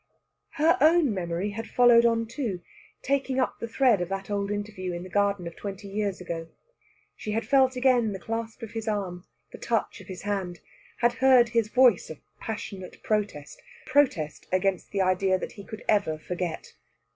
Her own memory had followed on, too, taking up the thread of that old interview in the garden of twenty years ago. She had felt again the clasp of his arm, the touch of his hand; had heard his voice of passionate protest protest against the idea that he could ever forget.